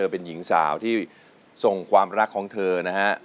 เป็นหญิงสาวที่ส่งความรักของเธอนะฮะ